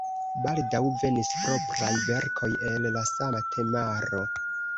Baldaŭ venis propraj verkoj el la sama temaro.